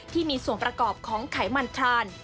ที่มีส่วนประกอบของไขมันทราน